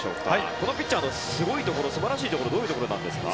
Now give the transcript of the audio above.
このピッチャーのすごいところ素晴らしいところはどういうところなんですか？